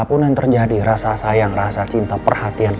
apapun yang terjadi rasa sayang rasa cinta perhatian